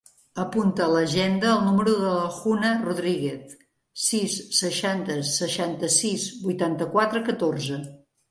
Apunta a l'agenda el número de la Juna Rodriguez: sis, seixanta, seixanta-sis, vuitanta-quatre, catorze.